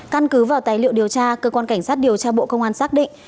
căn cứ vào tài liệu điều tra cơ quan cảnh sát điều tra bộ công an xác định